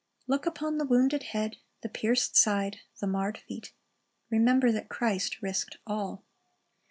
"^ Look upon the wounded head, the pierced side, the marred feet. Remember that Christ risked all.